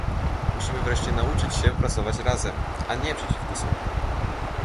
Musimy wreszcie nauczyć się pracować razem, a nie przeciwko sobie